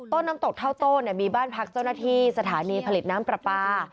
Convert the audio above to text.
น้ำตกเท่าโต้มีบ้านพักเจ้าหน้าที่สถานีผลิตน้ำปลาปลา